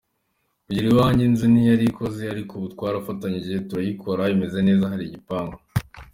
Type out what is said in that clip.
Kugera iwanjye inzu ntiyari ikoze ariko ubu twarafatanyije turayikora imeze neza, hari igipangu.